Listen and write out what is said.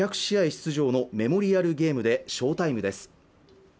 出場のメモリアルゲームで翔タイムです